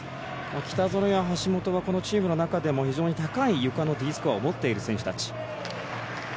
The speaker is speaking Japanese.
北園や橋本はこのチームの中でも非常に高いゆかのＤスコアを持っている選手たち。